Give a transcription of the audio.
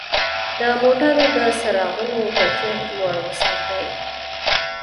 د موټرو د څراغونو کیفیت لوړ وساتئ.